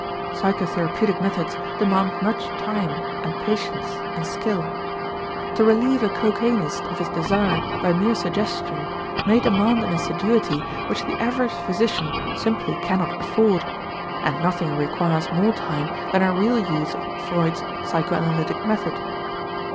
Psychotherapeutic methods demand much time and patience and skill. To relieve a cocainist of his desire by mere suggestion may demand an assiduity which the average physician simply cannot afford; and nothing requires more time than a real use of Freud's psychoanalytic method.